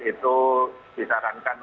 itu disarankan untuk